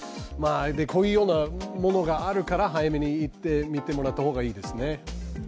こういうようなものがあるから早めに行って診てもらった方がいいですね。